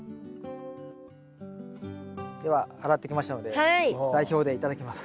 では洗ってきましたので代表で頂きます。